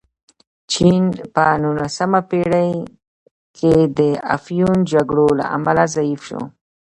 چین په نولسمه پېړۍ کې د افیون جګړو له امله ضعیف شو.